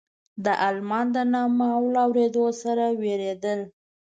د المان د نامه له اورېدو سره ټول وېرېدل.